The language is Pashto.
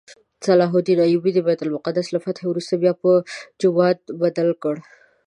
صلاح الدین ایوبي د بیت المقدس له فتحې وروسته بیا په جومات بدل کړ.